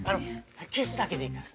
キスだけでいいからさ。